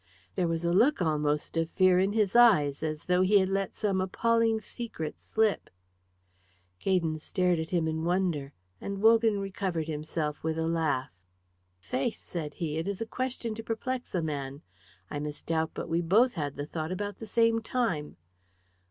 There was a look almost of fear in his eyes, as though he had let some appalling secret slip. Gaydon stared at him in wonder, and Wogan recovered himself with a laugh. "Faith," said he, "it is a question to perplex a man. I misdoubt but we both had the thought about the same time.